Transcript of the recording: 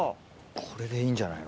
これでいいんじゃないの？